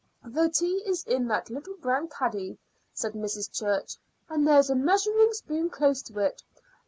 "The tea is in that little brown caddy," said Mrs. Church, "and there's a measuring spoon close to it.